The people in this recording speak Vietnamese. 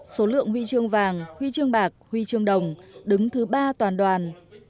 số lượng huy chương vàng huy chương bạc huy chương đồng đứng thứ ba toàn đoàn